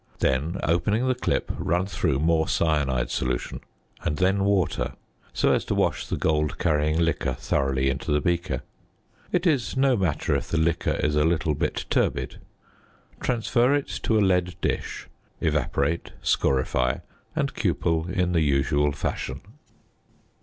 Then, opening the clip, run through more cyanide solution and then water, so as to wash the gold carrying liquor thoroughly into the beaker. It is no matter if the liquor is a little bit turbid; transfer it to a lead dish, evaporate, scorify, and cupel in the usual fashion.